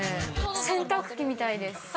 洗濯機みたいです。